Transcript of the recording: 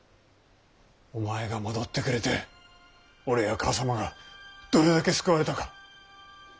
お前が戻ってくれて俺や母さまがどれだけ救われたか。